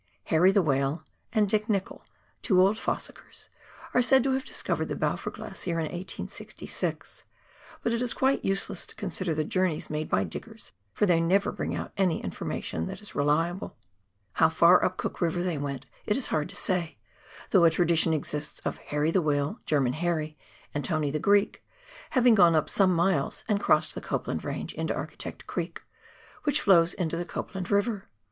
" Harry the Whale " and Dick Nicoll, two old " fossickers," are said to have discovered the Balfour Glacier in 1866, but it is quite useless to consider the journeys made by diggers, for they never bring out any reliable information. How far up Cook River they went it is hard to say, though a tradition exists of " Harry the Whale," " German Harry," and " Tony the Greek " having gone up some miles and crossed the Copland Range into Architect Creek, which flows into the Copland River.